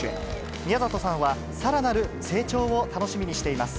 宮里さんはさらなる成長を楽しみにしています。